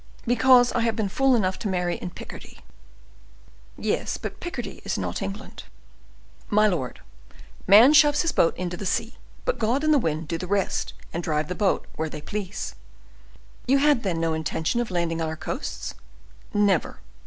"Because I have been fool enough to marry in Picardy." "Yes; but even Picardy is not England." "My lord, man shoves his boat into the sea, but God and the wind do the rest, and drive the boat where they please." "You had, then, no intention of landing on our coasts?" "Never."